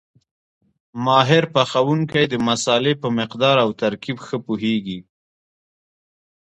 ماهر پخوونکی د مسالې په مقدار او ترکیب ښه پوهېږي.